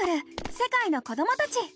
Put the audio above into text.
世界の子どもたち」。